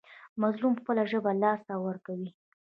مظلوم خپله ژبه له لاسه ورکوي.